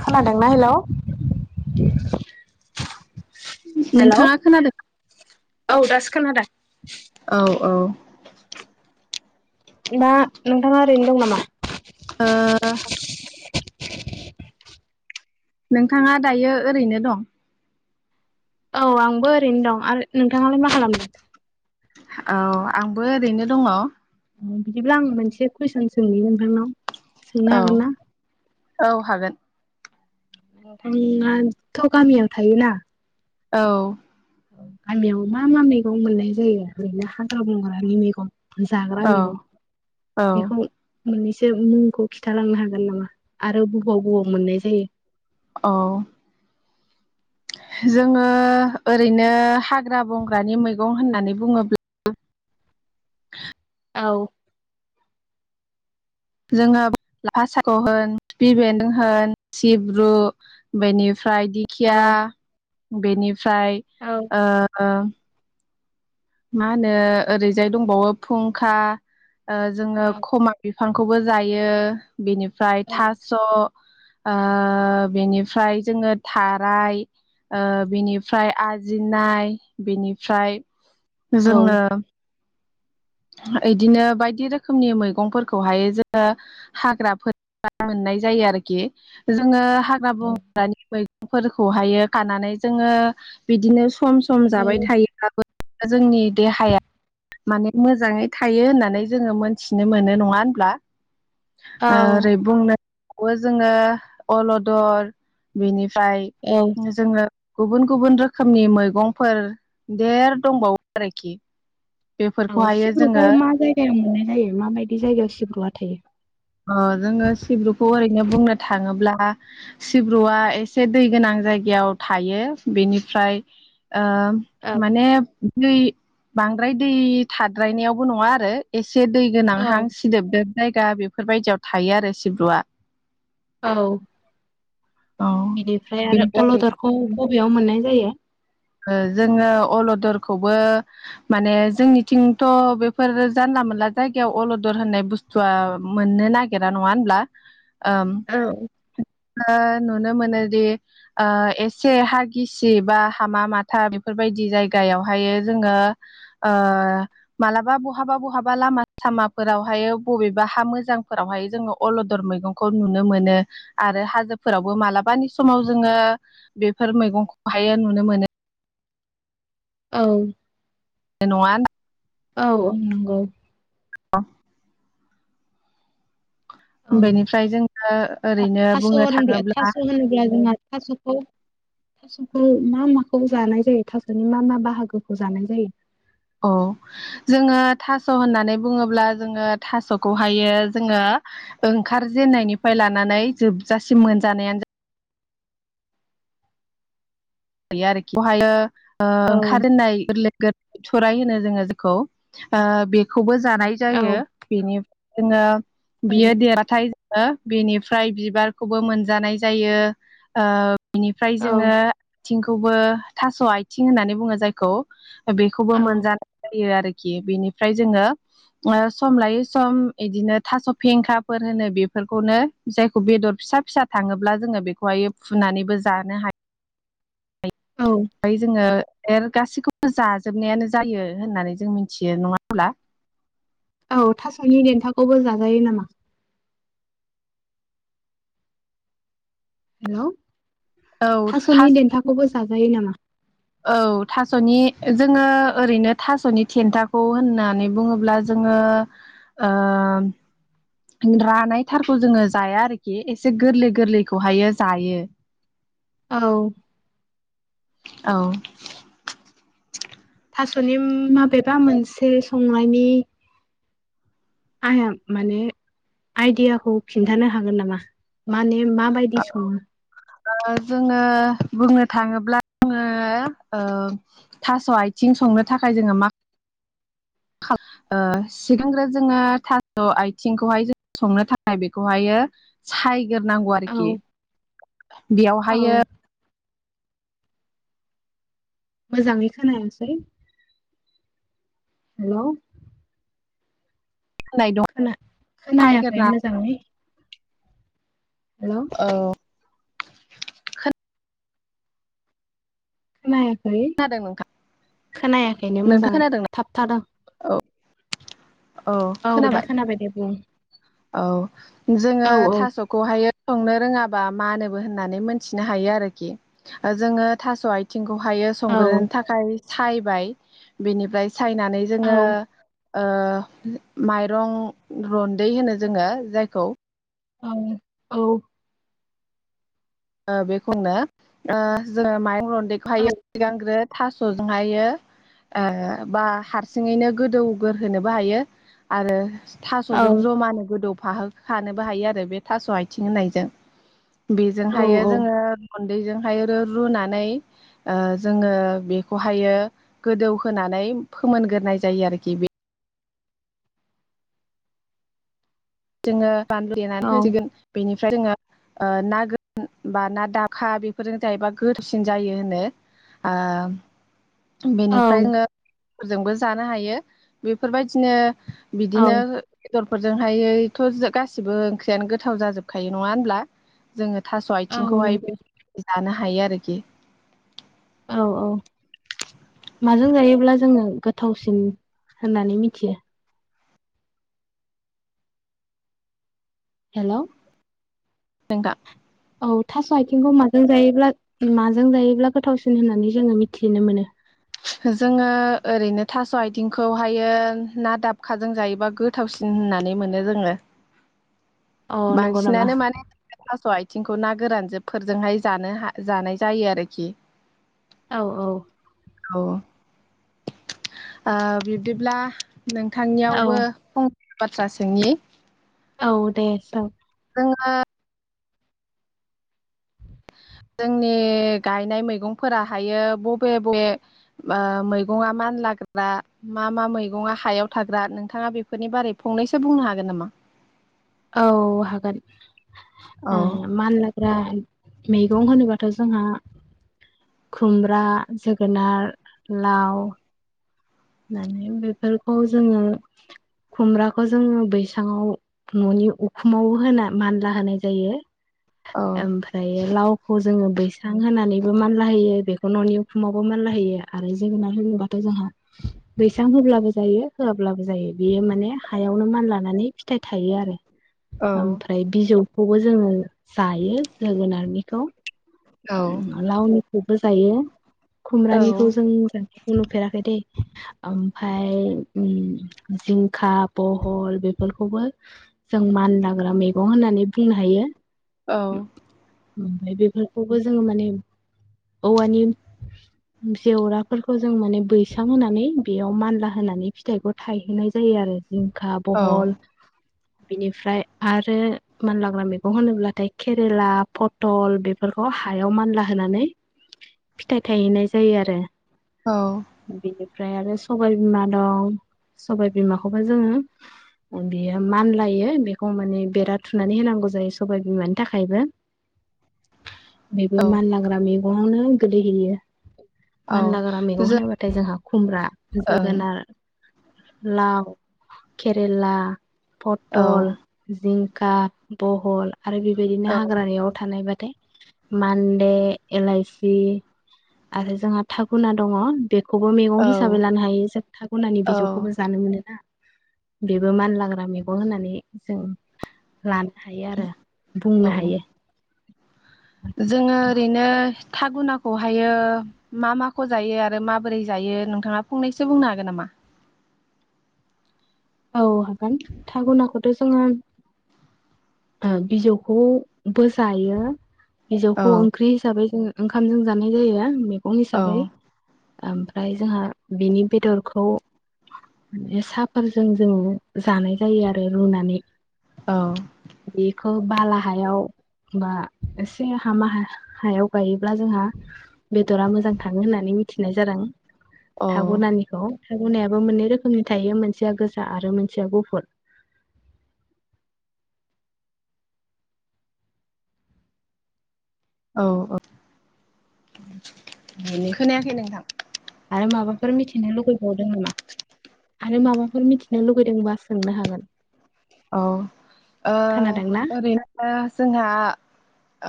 [inaudible] खोनादोंना हेल' नोंथाङा खोनादों औ दासो खोनादों औ औ दा नोंथाङा ओरैनो दं नामा ओ नोंथाङा दायो ओरैनो दं औ आंबो ओरैनो दं आरो नोंथाङालाय मा खालामदों औ आंबो ओरैनो दङ बिदिब्ला आं मोनसे कुइसन सोंनो नोंथांनाव सोंनो हागोन ना औ हागोन नोंथाङाथ' गामियाव थायोना औ गामियाव मा मा मैगं मोननाय जायो ओरैनो हाग्रा बंग्रानि मैगं जाग्रा औ मैगं औ बेखौ मोननैसो मुंखौ खिनथालांनो हागोन नामा आरो बबाव बबाव मोननाय जायो औ जोङो ओरैनो हाग्रा बंग्रानि मैगं होननानै बुङोब्ला औ जोङो लाफासाइख' होन खिफि बेनदों होन सिब्रु बेनि ओमफ्राय दिखिया बेनिफ्राय औ ओ ओं मा होनो ओरैजाय दंबावो खुंखा जोङो औ ख'मा बिबार बिफांखौबो जायो बिनिफ्राय थास' बेनिफ्राय जोङो थाराय बेनिफ्राय आरो आजिनाय बेनिफ्राय औ जोङो [inaudible] इदिनो बायदि रोखोमनि मैगंफोरखौहाय जोङो हाग्राफोर [unintelligible] मोननाय जायो आरोखि जोङो हाग्रा बंग्रानि मैगंफोरखौहायो खानानै जोङो बिदिनो सम सम जाबाय थायोब्लाबो जोंनि देहाया माने मोजाङै थायो होननानै जोङो मोनथिनो मोनो नङा होनब्ला औ ओरै बुंनो [unintelligible] जोङो अलदर बेनिफ्राय औ फ्राय जोङो गुबुन गुबुन रोखोमनि मैगंफोर देर दंबावो [unintelligible] औ सिब्रुखौ जोङो मा जायगायाव मोननाय जायो माबायदि जायगायाव सिब्रुआ थायो अ जोङो सिब्रुखौ ओरैनो बुंनो थाङोब्ला सिब्रुआ एसे दै गोनां जायगायाव थायो बेनिफ्राय ओ औ माने दै बांद्राय दै थाद्रायनायावबो नङा आरो एसे एसे दै गोनांहां औ सिदोबदोब जायगा बेफोरबायदियाव थायो आरो सिब्रुआ औ। औ बिनिफ्राय आरो बेनिफ्राय अलदरखौ बबेयाव मोननाय जायो। ओ जोङो अलदर खौबो माने जोंनिथिंथ' बेफोर जानला मोनला जायगायाव अलदर होननाय बुस्थु ज [unintelligible] मोननो नागिरा नङा होमब्ला औ नुनो मोनोदि ओ एसे हा गिसि बा हामा माथा बेफोरबायदि जायगा जायगायावहायो जोङो ओ मालाबा बहाबा बहाबा लामा लामाफोरावहाय बबेबा हा मोजांफोरावहाय जोङो अलदर मैगंखौ नुनो मोनो आरो हाजोफोरावबो मालाबानि समाव आव जोङो बेफोर मैगंखौहायो नुनो मोनो औ ए नङा होनदां औ नंगौ [unintelligible] औ बेनिफ्राय जोङो था ओरैनो थास' बुंनो होनोब्ला थाङोब्ला थास' होनोब्ला जोंहा थास'खौ थास'खौ मा माखौ जानाय जायो थास'नि मा मा बाहागोखौ जानाय जायो औ जोङो थास' होननानै बुङोब्ला जोङो थास'खौहायो जोङो ओंखारजेननायनिफ्राय लानानै जोबजासिम मोनजानायानो आरोखि बेवहायो औ ओंखारजेननाय गोरलै गोरलै बिथ'राइ होनो जोङो जेखौ बेखौबो जानाय औ जायो बेनि जोङो बियो औ देराथाय जोङो बिनिफ्राय बिबारखौबो मोनजानाय जायो ओ बिनिफ्राय जोङो औ आथिंखौबो थास' आथिं होननानै बुङो जायखौ बेखौबो औ मोनजानाय जायो आरोखि खि बेनिफ्राय जोङो सम लायै सम बिदिनो थास' फेंखाफोर होनो बेफोर बेफोरखौनो जायखौ बेदर फिसा फिसा थाङोब्ला जोङो बेखौहायो फुनानैबो जानो हायो औ ओमफ्राय जोङो गासैखौबो जाजोबनायानो जायो होननानै जों मिथियो नङा होमब्ला औ थास'नि देन्थाखौबो जाजायो नामा हेलौ औ थास'नि थास देन्थाखौबो जाजायो नामा औ थास'नि जोङो ओरैनो थास'नि थेन्थाखौ होननानै बुङोब्ला जों जोङो ओ रानाय थारखौ जोङो जाया आरोखि एसे गोरलै गोरलैखौहायो जायो औ औ थास'नि माबेबा मोनसे संनायनि आंनो माने आइडियाखौ खिन्थानो हागोन नामा मानो माबायदि सङो जोङो बुंनो थाङोब्ला थास' आथिं संनो थाखाय जोङो मा [inaudible] सिगांग्रो जोङो थास' आथिंखौहाय जों संनो थाखाय बेखौहायो। सायग्रो नांगौ औ औ बेयावहायो मोजाङै खोनायासै हेलौ होननाय दं खोना खोनायाखै सायग्रोना मोजाङै हेलौ औ खोन नाया। खोनादों नोंथां। खोनायाखैनो नोंथां मोजाङै खोनादोंना थाबथादों। औ। औ दा खोनाबाय दे बुं। औ जोङो औ औ थास'खौहायो संनो रोङाबा मानोबो होननानै मोनथिनो हायो आरोखि जोङो थास' आथिं खौहायो औ संग्रोनो थाखाय सायबाय बेनिफ्राय सायनानै औ जोङो ओ माइरं रन्दै होनो जोङो जायखौ औ औ। ओ बेखौनो ओ जोङो माइं औ रन्दैखौहायो सिगांग्रो थास'जोंहायो ओ बा हारसिङैनो गोदौगोरहोनोबो हायो आरो औ थास'जों जमानो गोदौफाहोखानोबो हायो आरो बे थास' आइथिं होननायजों। जोंहायो जोङो गुन्दैजोंहायो रुनानै ओ जोङो बेखौहायो गोदौहोनानै फोमोनगोरनाय जायो आरोखि बे जोङो बानलु देनानै औ होसिगोन बेनिफ्राय जोङो ओ ना गो बा ना दाखा बेफोरजों जायोबा गोरसिन जायो होनो ओ औ बेनिफ्राय [unintelligible] फोरजोंबो जानो हायो बेफोरबायदिनो औ बिदिनो बेदरफोरजोंहायै थ' गासिबो ओंख्रियानो गोथाव जाजोबखायो नङा होनब्ला जोङो थास' औ आइथिंखौहाय नंगौ बे जानो हायो आरोखि। औ औ। माजों जायोब्ला जोङो गोथावसिन होननानै मिथियो? हेल'। नोंथां औ थास' आइथिंखौ माजों जायोब्ला माजों जायोब्ला गोथावसिन होननानै जोङो मिथिनो मोनो। जोङो ओरैनो थास' आइथिंखौहायो ना दाबखाजों जायोबा गोथावसिन होननानै मोनो जोङो। अ नंगौ नामा बांसिनानो माने थास' आइ थिंखौ ना गोरान जोब फोरजोंहाय जानो जानाय जायो आरोखि। औ औ। औ ओ बिब्दिब्ला औ नोंथांनियावबो फं बाथ्रा सोंनि? औ दे सों। आङो जोंनि गायनाय मैगंफोराहायो बबे बबे ओ मैगङा मा फान लाग्रा मा मा मैगंआ हायाव थाग्रा नोंथाङा बेफोरनि बारै फंनैसो बुंनो हागोन नामा? औ हागोन औ मान लाग्रा मैगं होनोबाथ' जोंहा खुमब्रा, जोगोनार, लाव। माने बेफोरखौ जोङो खुमब्राखौ जोङो बैसाङाव न'नि उखुमाव होनाय मानला होनाय जायो। ओमफ्राय लावखौ जोङो बैसां होनानैबो मानला होयो बेखौ न'नि उखुमावबो मानला होयो आरो जोगोनार होबाथ' जोंहा बैसां होब्लाबो जायो होआब्लाबो जायो बेयो माने हायावनो मानलानानै फिथाइ थायो आरो औ ओमफ्राय बिजौ खौबो जोङो जायो जोगोनारनिखौ लावनि खौबो जायो औ खुम्रानिखौ जों जानायखौ नुफेराखै दै ओम फाय उम जिंखा, बहल, बेफोरखौबो जों मानला ग्रा मैगं होननानै बुंनो हायो औ ओमफ्राय बेफोर खौबो जोङो माने औवानिम जेवराफोरखौ जों माने बैसां होनानै बेयाव मानला होनानै फिथाइखौ थायहोनाय जायो आरो जिंखा, ‌ औ बहल बिनिफ्राय आरो मानलाग्रा मेगं होनोब्लाथाय खेरेला, पटल बेफ फोरखौ हायाव मानला होनानै फिथाइ थायहैनाय जायो आरो औ ओमफ्राय आरो सबाय बिमा दं सबाय बिमाखौबो जोङो ओम बेयो मानलायो बेखौ माने बेरा थुनानै होनांगौ जायो सबाय बिमानि थाखायबो। [inaudible] बेबो औ मानलाग्रा मैगङावनो गोलैहैयो। औ मानलाग्रा मैगं जों होनोबाथाय जोंहा खुमब्रा ओं जोगोनार लाव, खेरेला, औ पटल, जिंख खा, बहल आरो बेबायदिनो औ हाग्रानियाव थानाय बाद मान्दे, एलायसि आरो जोंहा थागुना दङ बेख खौबो मेगं औ हिसाबै लानो हायो जों थागुनानि औ बिजौखौबो जानो मोनोना बेबो मानलाग्रा मेगं होननानै जों लानो हायो आरो औ बुंनो हायो। जोङो ओरैनो थागुनाखौहायो मा माखौ जायो आरो माबोरै जायो नोंथाङा फंनैसो बुंनो हागोन नामा? औ हागोन थागुनाखौथ' जोङो ओ बिजौखौ बो जायो। बिजौखौ औ ओंख्रि हिसाबै जों ओंखामजों जानाय जायो मैगं औ हिसाबै। ओमफ्राय जोंहा बेनि बेदरखौ बेयो सा पोरज जों जों जानाय जायो आरो रुनानै। औ खौ बाला हायाव बा एसे हामा हा हायाव गायोब्ला जोंहा बेदरा मोजां थाङो होननानै मिथिनाय जादों औ थागुनानिखौ थागुनायाबो मोननै रोखोमनि थायो। मोनस सेया गोजा आरो मोनसेया गुफुर। औ ओ ओ बेनो नोंथां आरो माबाफ फोर मिथिनो लुगैबावदों नामा आरो माबाफोर मिथिनो लुगैदोंबा सोंनो हागोन? अ ओ खोनादोंना ओरैनो जोंहा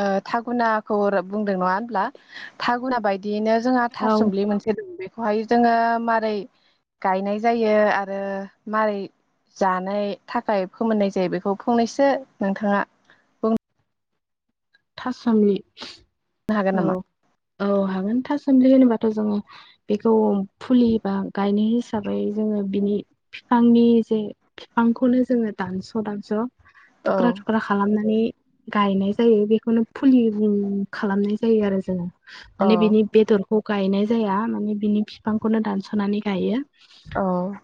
ओथ थागुनाखौ रोब बुंदों नङा होनब्ला थागुना बायदियैनो जोंहा था औ सोम्लि मोनसे दों बे खौहाय जोङो मारै गायनाय जायो आरो मारै जानाय थाखाय फोमोननाय जायो बेखौ फंनैसो नोंथाङा था सोमलि हागोन नामा? गोन था सोमलि होनोबाथ' जोङो बेखौ फुलि बा गायनि हिसाबै जोङो बिनि फिफांनि जे फिफांखौनो जोङो दानस' दानस' औ थुख्रा थुख्रा खालामनानै गायनाय जायो बेख खौनो फुलि बुं खालामनाय जायो आरो जोङो औ माने बिनि बेदरखौ गायनाय जाया माने बिनि फिफांखौनो दानस'नानै गायो। औ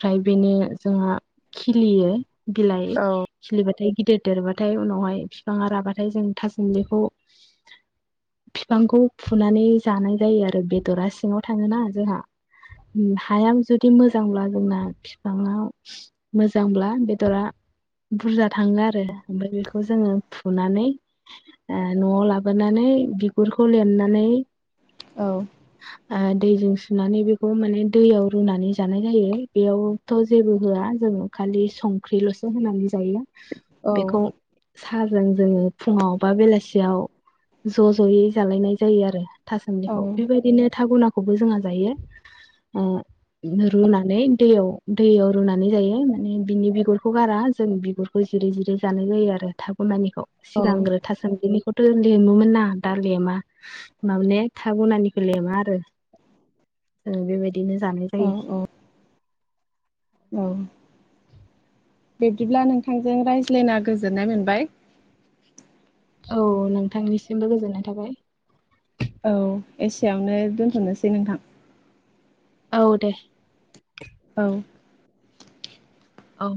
फ्राय बेनि जोंहा खिलियो बिलाइ औ खिलिबाथाय गिदिर देरबाथाय उनावहाय फिफाङा राबाथाय जों था सोमलिखौ फिफांखौ फुनानै जानाय जायो आरो बेदरा सिङाव थाङोना जोंहा उम हायाम जुदि मोजांब्ला जोंना फिफाङाव मोजांब्ला बेदरा बुरजा थाङो आरो ओमफ्राय बेखौ जोङो फुनानै ओ न'आव लाबोनानै बिगुरखौ लिरनानै औ ओ दैजों सुनानै बेखौ माने दैयाव रुनानै जानाय जायो बेयावथ' जेबो होआ जों खालि संख्रिल'सो होनानै जायो औ बेखौ साहाजों जोङो फुङाव बा बेलासियाव ज' ज'यै जालायनाय जायो आरो थासुमलिखौ बेबायदिनो थागुनाखौबो जोंहा जायो रुनानै दैयाव दैयाव रुनानै जायो माने बिनि बिगुरखौ गारा जों बिगुरखौ जिरिै जिरिै जानाय जायो आरो थागमानिखौ औ सिगांग्रो थासान्दिनिखौथ' लेमोमोन ना दा लेमा माबाने था बनानिखौ लेमा आरो बेबायदिनो जानाय औ जायो औ औ बिब्दिब्ला नोंथांजों रायज्लायना गोजोननाय मोनबाय औ नोंथांनिसिमबो गोजोननाय थाबाय औ एसेवनो दोनथ'नोसै नोंथां औ दे औ औ